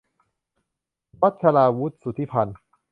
วัชราวุธ สุทธิพันธ์